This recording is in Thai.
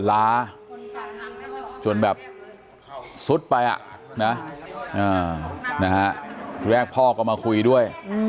อ่อนล้าจนแบบสุดไปอ่ะทุกแรกพ่อก็มาคุยด้วย